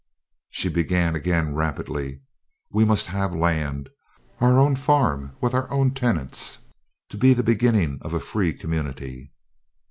She began again rapidly: "We must have land our own farm with our own tenants to be the beginning of a free community."